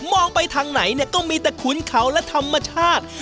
มองไปทางไหนเนี่ยก็มีแต่ขุนเขาและธรรมชาติ